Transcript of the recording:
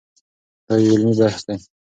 دا یو علمي بحث دی.